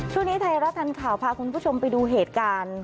ช่วงนี้ไทยรัฐรัฐานข่าวพาคุณผู้ชมไปดูเหตุการณ์